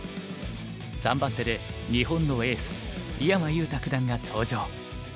３番手で日本のエース井山裕太九段が登場。